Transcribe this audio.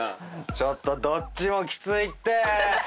ちょっとどっちもきついって！